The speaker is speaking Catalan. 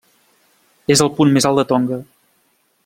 És el punt més alt de Tonga.